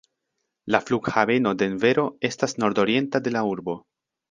La Flughaveno Denvero estas nordorienta de la urbo.